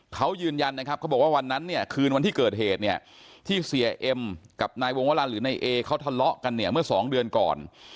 เขายืนยันนะครับเขาบอกว่าวันนั้นเนี่ยคืนวันที่เกิดเหตุเนี่ยที่เสียเอ็มกับนายวงวรรณหรือนายเอเขาทะเลาะกันเนี่ยเมื่อสองเดือนก่อน